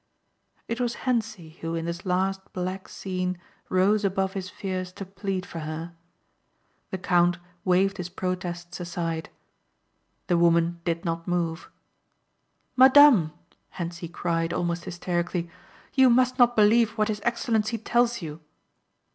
It was Hentzi who in this last black scene rose above his fears to plead for her. The count waved his protests aside. The woman did not move. "Madame," Hentzi cried almost hysterically. "You must not believe what his excellency tells you."